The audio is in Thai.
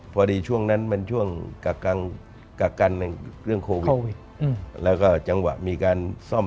พอดีช่วงนั้นมันช่วงกักกันเรื่องโควิด